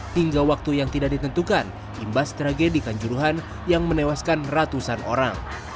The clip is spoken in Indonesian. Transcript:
hingga waktu yang tidak ditentukan imbas tragedi kanjuruhan yang menewaskan ratusan orang